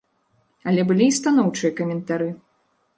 Але былі і станоўчыя каментары.